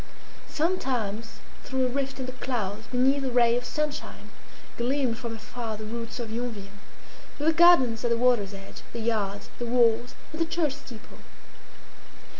Sometimes through a rift in the clouds, beneath a ray of sunshine, gleamed from afar the roots of Yonville, with the gardens at the water's edge, the yards, the walls and the church steeple.